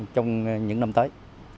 trong những năm tới